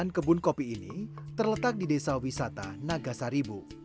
kebun kopi ini terletak di desa wisata nagasaribu